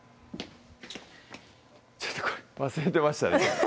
ちょっとこれ忘れてましたね